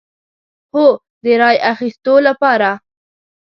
هو، د رای اخیستو لپاره